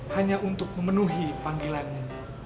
hanya untuk memenuhi panggilannya